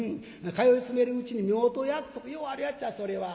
通い詰めるうちに夫婦約束ようあるやっちゃそれは。